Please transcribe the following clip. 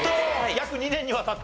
約２年にわたって？